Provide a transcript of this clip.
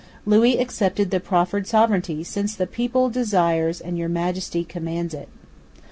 Louis accepted the proffered sovereignty "since the people desires and Your Majesty commands it."